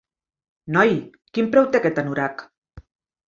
Noi, quin preu té aquest anorac?